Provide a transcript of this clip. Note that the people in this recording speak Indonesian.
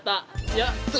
kita gak ada masalah